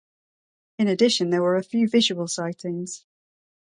In addition there were a few visual sightings.